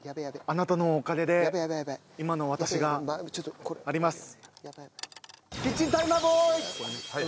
あなたのおかげで今の私があります。